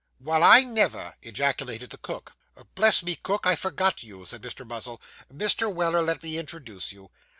'Well, I never!' ejaculated the cook. 'Bless me, cook, I forgot you,' said Mr. Muzzle. 'Mr. Weller, let me introduce you.